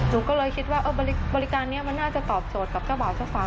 หนูก็เลยคิดว่าบริการนี้มันน่าจะตอบโจทย์กับเจ้าบ่าวเจ้าสาว